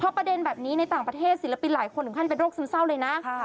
ประเด็นแบบนี้ในต่างประเทศศิลปินหลายคนถึงขั้นเป็นโรคซึมเศร้าเลยนะ